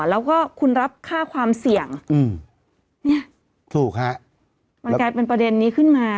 แล้วก็คุณรับค่าความเสี่ยงอืมเนี่ยถูกฮะมันกลายเป็นประเด็นนี้ขึ้นมา